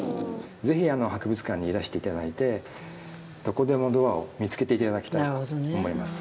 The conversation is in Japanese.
ぜひ博物館にいらして頂いてどこでもドアを見つけて頂きたいと思います。